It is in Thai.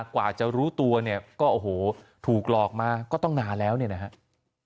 กว่าจะรู้ตัวเนี่ยก็โอ้โหถูกหลอกมาก็ต้องนานแล้วเนี่ยนะครับ